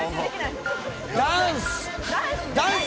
ダンス！